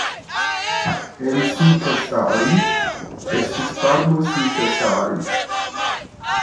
En Siikasaari estis farmo Siikasaari.